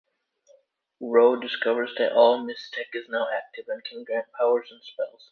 Rho discovers that all MysTech is now active, and can grant powers and spells.